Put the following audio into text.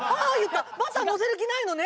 バター載せる気ないのね。